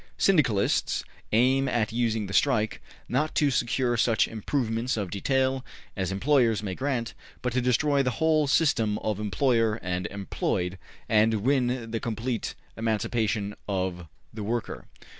Syndicalists aim at using the strike, not to secure such improvements of detail as employers may grant, but to destroy the whole system of employer and employed and win the complete emancipation of the worker.